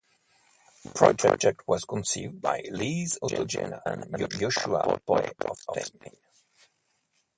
The project was conceived by Lise Autogena and Joshua Portway of Stain.